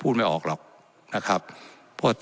และยังเป็นประธานกรรมการอีก